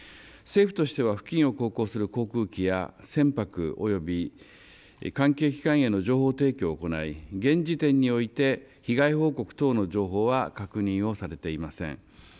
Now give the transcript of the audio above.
政府としては付近を航行する航空機や船舶および関係機関への情報提供を行い、現時点において被害報告等の情報は確認されていません。